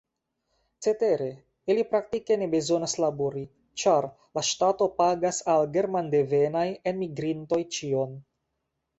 Cetere, ili praktike ne bezonas labori, ĉar la ŝtato pagas al germandevenaj enmigrintoj ĉion.